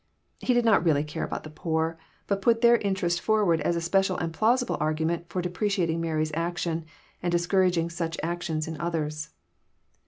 He did not really care about the poor, but put their interest forward as a special and plausible argument for depreciating Mary's action, and dis couraging such actions in others.